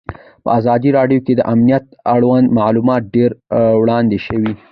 په ازادي راډیو کې د امنیت اړوند معلومات ډېر وړاندې شوي.